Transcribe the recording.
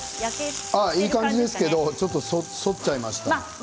いい感じですけどちょっと反っちゃいました。